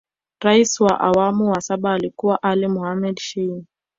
Rais wa awamu ya saba alikuwa Ali Mohamed Shein